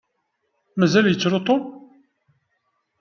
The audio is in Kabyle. Mazal yettru Tom?